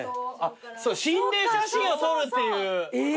そう心霊写真を撮るっていう。